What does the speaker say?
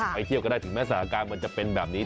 ไปเที่ยวก็ได้ถึงแม้สถานการณ์มันจะเป็นแบบนี้